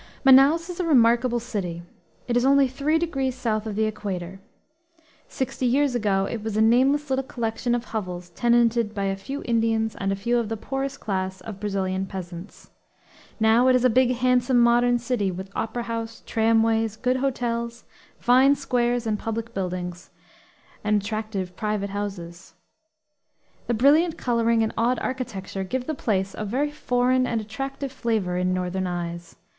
Manaos is a remarkable city. It is only three degrees south of the equator. Sixty years ago it was a nameless little collection of hovels, tenanted by a few Indians and a few of the poorest class of Brazilian peasants. Now it is a big, handsome modern city, with Opera house, tramways, good hotels, fine squares and public buildings, and attractive private houses. The brilliant coloring and odd architecture give the place a very foreign and attractive flavor in northern eyes.